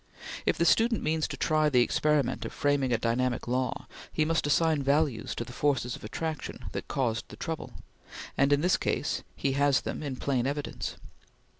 If the student means to try the experiment of framing a dynamic law, he must assign values to the forces of attraction that caused the trouble; and in this case he has them in plain evidence.